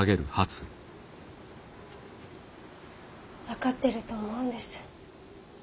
分かってると思うんです。